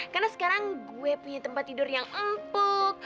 karena sekarang gue punya tempat tidur yang empuk